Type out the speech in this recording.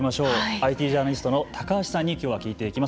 ＩＴジャーナリストの高橋さんにきょうは聞いていきます。